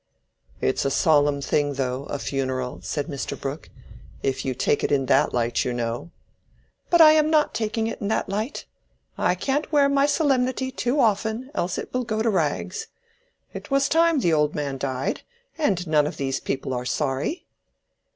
"It's a solemn thing, though, a funeral," said Mr. Brooke, "if you take it in that light, you know." "But I am not taking it in that light. I can't wear my solemnity too often, else it will go to rags. It was time the old man died, and none of these people are sorry."